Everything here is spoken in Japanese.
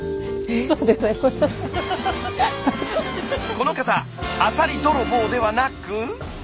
この方アサリ泥棒ではなく。